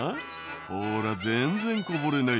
「ほら全然こぼれない